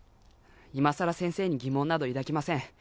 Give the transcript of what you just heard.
今更先生に疑問など抱きません